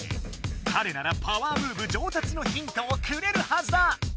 かれならパワームーブ上達のヒントをくれるはずだ！